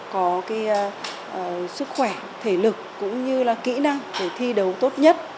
có sức khỏe thể lực cũng như là kỹ năng để thi đấu tốt nhất